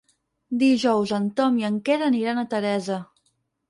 Dijous en Tom i en Quer aniran a Teresa.